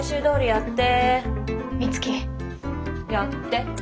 やって。